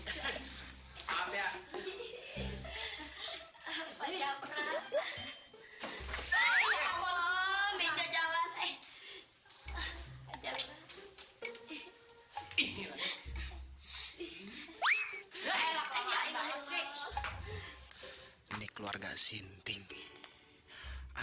sampai jumpa di video selanjutnya